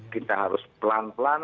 kita harus pelan pelan